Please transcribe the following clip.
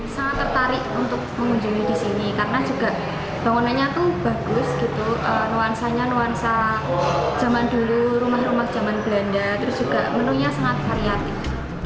sangat tertarik untuk mengunjungi di sini karena juga bangunannya tuh bagus gitu nuansanya nuansa zaman dulu rumah rumah zaman belanda terus juga menunya sangat variatif